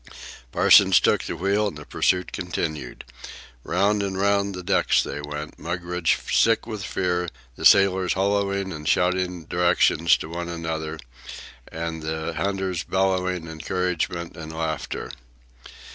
Parsons took the wheel, and the pursuit continued. Round and round the decks they went, Mugridge sick with fear, the sailors hallooing and shouting directions to one another, and the hunters bellowing encouragement and laughter.